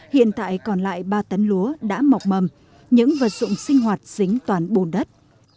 hiện tại còn lại ba tấn lúa đã mọc mầm những vật dụng sinh hoạt dính toàn bồn đất